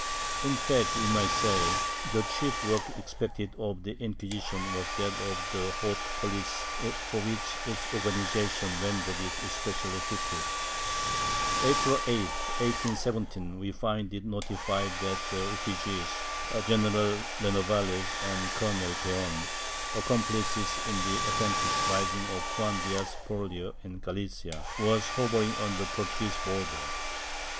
In fact, we may say, the chief work expected of the Inquisition was that of the haute 'police, for which its organization rendered it especially fitted. April 8, 1817 we find it notified that the refugees, General Renovales and Colonel Peon, accomplices in the attempted rising of Juan Diaz Porlier in Galicia, were hovering on the Portuguese border.